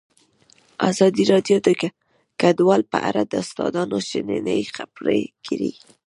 ازادي راډیو د کډوال په اړه د استادانو شننې خپرې کړي.